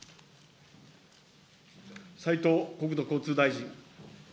斉藤国土交通大臣。